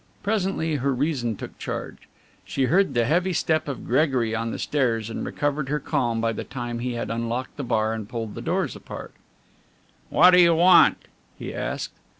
Presently her reason took charge. She heard the heavy step of Gregory on the stairs and recovered her calm by the time he had unlocked the bar and pulled the doors apart. "What do you want?" he asked.